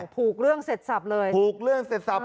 ผูกเรื่องเสร็จสับเลยผูกเรื่องเสร็จสับ